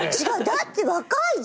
だって若いじゃんか。